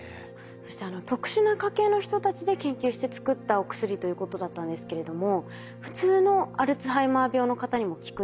そしてあの特殊な家系の人たちで研究して作ったお薬ということだったんですけれども普通のアルツハイマー病の方にも効くんですか？